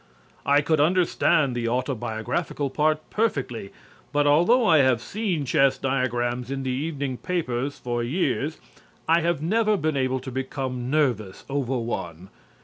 I could understand the autobiographical part perfectly, but although I have seen chess diagrams in the evening papers for years, I never have been able to become nervous over one.